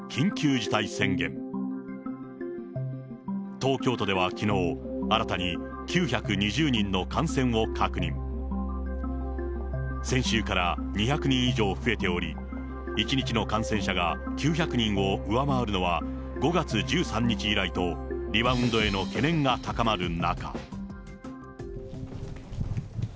東京都の感染状況を踏まえ、先週から２００人以上増えており、１日の感染者が９００人を上回るのは、５月１３日以来と、リバウンドへの懸念が高まる中。